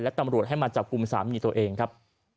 และตำรวจให้มาจับกลุ่มสามีตัวเองครับ